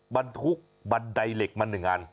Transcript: บรรทุกบันไดเหล็กมา๑อัน